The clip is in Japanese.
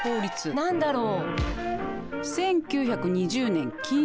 何だろう。